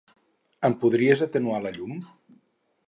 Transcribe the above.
Em podries atenuar la llum?